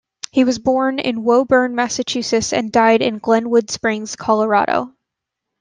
He was born in Woburn, Massachusetts and died in Glenwood Springs, Colorado.